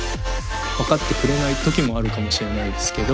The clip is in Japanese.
分かってくれない時もあるかもしれないですけど。